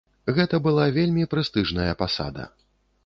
Гэта была вельмі прэстыжная пасада.